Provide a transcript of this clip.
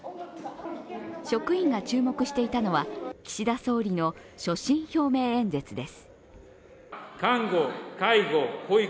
職員が注目していたのは岸田総理の所信表明演説です。